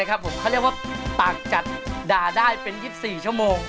เขาเรียกว่าปากจัดด่าได้เป็น๒๔ชั่วโมง